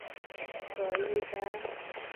So yi da.